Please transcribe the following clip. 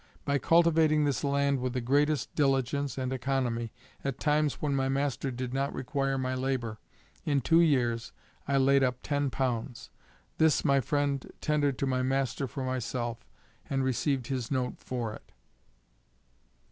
By cultivating this land with the greatest diligence and economy, at times when my master did not require my labor, in two years I laid up ten pounds. This my friend tendered to my master for myself, and received his note for it.